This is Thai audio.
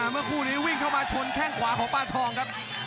เมื่อคู่นี้วิ่งเข้ามาชนแข้งขวาของปาทองครับ